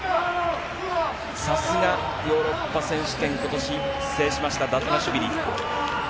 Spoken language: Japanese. さすがヨーロッパ選手権、ことし制しました、ダトゥナシュビリ。